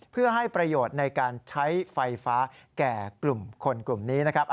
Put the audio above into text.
เพื่อให้ประโยชน์ในการใช้ไฟฟ้าแก่กลุ่มคนกลุ่มนี้นะครับ